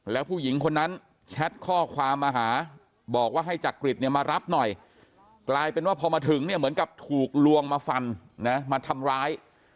แล้วผู้หญิงคนนั้นแชทข้อความมาหาบอกว่าให้จักริตเนี่ยมารับหน่อยกลายเป็นว่าพอมาถึงเนี่ยเหมือนกับถูกลวงมาฟันนะมาทำร้าย